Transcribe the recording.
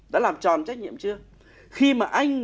đã làm tròn trách nhiệm chưa